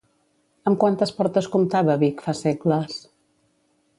Amb quantes portes comptava Vic fa segles?